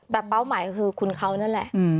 แต่เป้าหมายก็คือคุณเขานั่นแหละ